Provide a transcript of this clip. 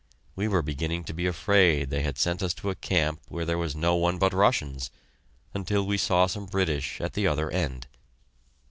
We were beginning to be afraid they had sent us to a camp where there was no one but Russians, until we saw some British, at the other end.